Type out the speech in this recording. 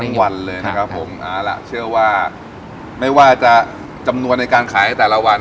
วันเลยนะครับผมเอาล่ะเชื่อว่าไม่ว่าจะจำนวนในการขายแต่ละวัน